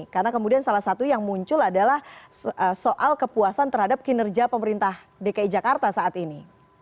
karena kemudian salah satu yang muncul adalah soal kepuasan terhadap kinerja pemerintah dki jakarta saat ini